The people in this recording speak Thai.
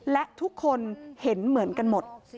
และทุกคนเห็นเหมือนกันหมด